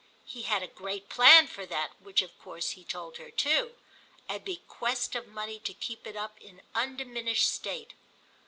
He had a great plan for that, which of course he told her too, a bequest of money to keep it up in undiminished state.